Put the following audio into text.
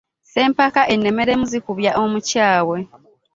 Ssempaka ennemeremu zikubya omukyawe .